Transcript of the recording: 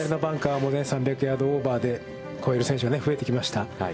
３００ヤードオーバーで超える選手が増えてきました。